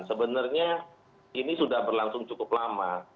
sebenarnya ini sudah berlangsung cukup lama